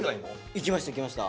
行きました行きました。